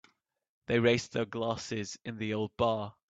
They raised their glasses in the old bar.